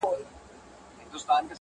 هم د كلي هم بلاوي د بيابان يو!.